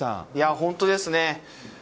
本当ですね。